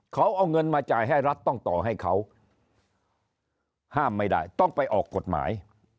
เขาเอาเงินมาจ่ายให้รัฐต้องต่อให้เขาห้ามไม่ได้ต้องไปออกกฎหมาย